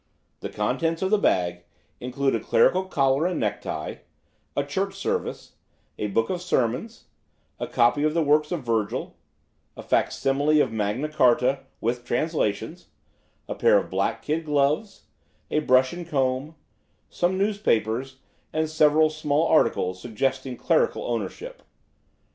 The contents of the bag include a clerical collar and necktie, a Church Service, a book of sermons, a copy of the works of Virgil, a facsimile of Magna Charta, with translations, a pair of black kid gloves, a brush and comb, some newspapers, and several small articles suggesting clerical ownership.